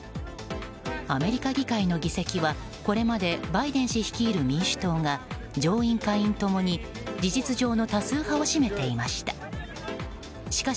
アメリカ議会の議席はこれまでバイデン氏率いる民主党が上院・下院共に事実上の多数派を占めていました。